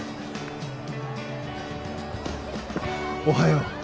おはよう！